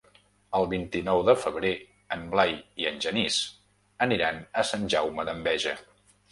El vint-i-nou de febrer en Blai i en Genís aniran a Sant Jaume d'Enveja.